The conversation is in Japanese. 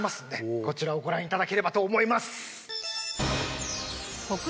こちらをご覧いただければと思います。